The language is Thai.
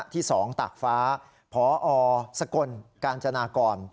ที่๒ตากฟ้าพอสกลกาญจนากร